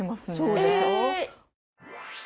そうでしょう。え。